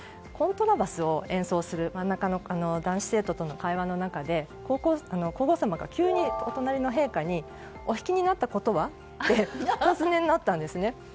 コントラバスを演奏する真ん中の男子生徒の会話の中で皇后さまが急にお隣の陛下にお弾きになったことは？ってお尋ねになったんですね。